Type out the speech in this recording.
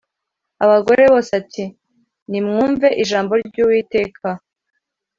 abagore bose ati Nimwumve ijambo ry Uwiteka